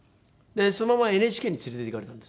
そのままＮＨＫに連れていかれたんです。